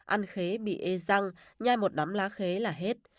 ăn khế bị ê răng nhai một đám lá khế là hết